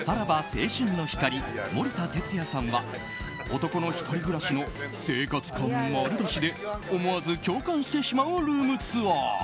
青春の光森田哲矢さんは男の１人暮らしの生活感丸出しで思わず共感してしまうルームツアー。